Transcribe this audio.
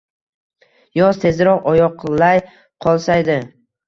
Yoz tezroq oyoqlayqolsaydi